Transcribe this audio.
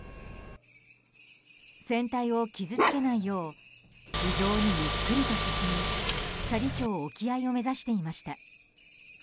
船体を傷つけないよう非常にゆっくりと進み斜里町沖合を目指していました。